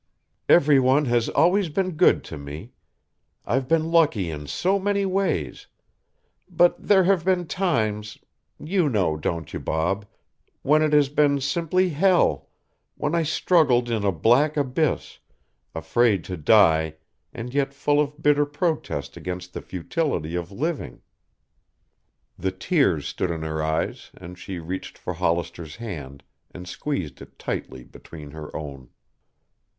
Every one has always been good to me. I've been lucky in so many ways. But there have been times you know, don't you, Bob? when it has been simply hell, when I struggled in a black abyss, afraid to die and yet full of bitter protest against the futility of living." The tears stood in her eyes and she reached for Hollister's hand, and squeezed it tightly between her own.